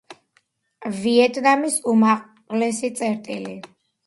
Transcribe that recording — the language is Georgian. ვიეტნამის უმაღლესი წერტილი.